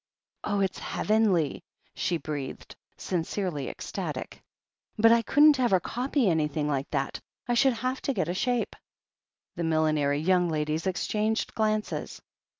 Oh, it's heavenly !" she breathed, sincerely ecstatic. But I couldn't ever copy anything like that — I should have to get a shape." The millinery young ladies exchanged glances.